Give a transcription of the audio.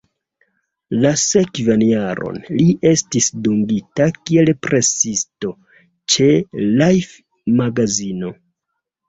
La sekvan jaron li estis dungita kiel presisto ĉe "Life"-magazino.